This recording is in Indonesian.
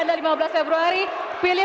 anda lima belas februari pilih